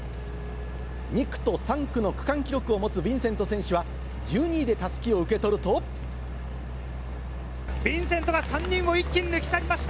２区と３区の区間記録を持つヴィンセント選手は、１２位でたすきヴィンセントが３人を一気に抜き去りました。